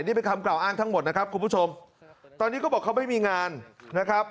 นี่เป็นคำกล่าวอ้างทั้งหมดนะครับคุณผู้ชมตอนนี้เขาบอกเขาไม่มีงานนะครับ